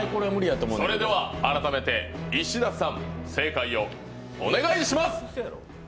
それでは改めて石田さん正解をお願いします。